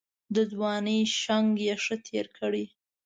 د ځوانۍ شنګ یې ښه تېر کړی.